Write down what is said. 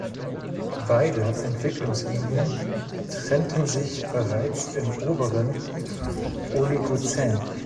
Beide Entwicklungslinien trennten sich bereits im Oberen Oligozän.